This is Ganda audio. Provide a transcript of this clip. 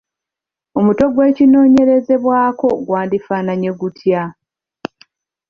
Omutwe gw’ekinoonyerezebwako gwandifaananye gutya?